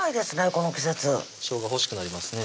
この季節しょうが欲しくなりますね